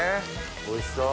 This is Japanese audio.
おいしそう。